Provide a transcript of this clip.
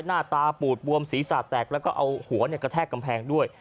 หน้าตาปูดบวมศีรษะแตกแล้วก็เอาหัวกระแทกกำแพงด้วย